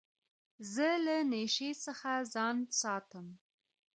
زه له نشې څخه ځان ساتم.